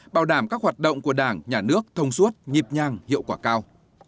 bảo đảm các hoạt động của đảng nhà nước thông suốt nhịp nhang hiệu quả cao